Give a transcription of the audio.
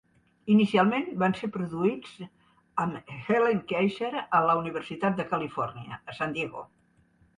Inicialment van ser produïts amb Helene Keyssar a la Universitat de Califòrnia, a San Diego.